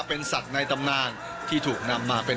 เป็นสัตว์ในตำนานที่ถูกนำมาเป็น